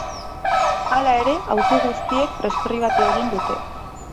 Hala ere, auzi guztiek preskribatu egin dute.